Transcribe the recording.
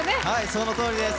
そのとおりです。